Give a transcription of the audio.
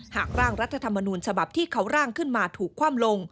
หากร่างรัฐธรรมนูญฉบับที่เขาร่างขึ้นมาถูกคว่ำลง